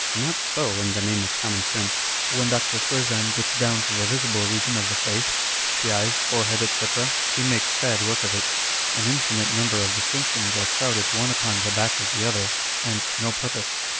Not so, in the name of common sense ! When Dr. Spurzheim gets down to the visible region of the face, the eyes, forehead, &c., he makes sad work of it : an infinite number of distinctions are crowded one upon the back of the other, and to no purpose.